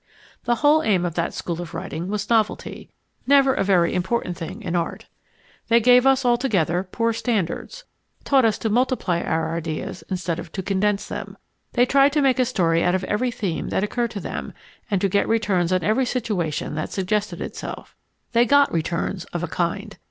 The whole aim of that school of writing was novelty never a very important thing in art. They gave us, altogether, poor standards taught us to multiply our ideas instead of to condense them. They tried to make a story out of every theme that occurred to them and to get returns on every situation that suggested itself. They got returns, of a kind.